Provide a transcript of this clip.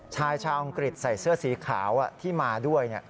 ชายชาวอังกฤษใส่เสื้อสีขาวที่มาด้วย